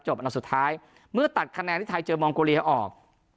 อันดับสุดท้ายเมื่อตัดคะแนนที่ไทยเจอมองโกเลียออก